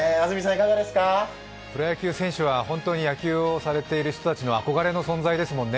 プロ野球選手は本当に野球をされている人たちの憧れの存在ですもんね。